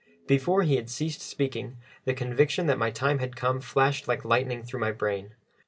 Before he had ceased speaking, the conviction that my time had come flashed like lightning through my brain.